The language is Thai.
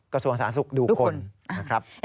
กระทรวงสาธารณสุขดูคนนะครับ